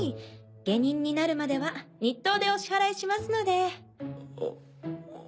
下忍になるまでは日当でお支払いしますので。